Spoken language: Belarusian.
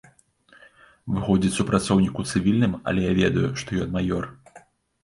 Выходзіць супрацоўнік у цывільным, але я ведаю, што ён маёр.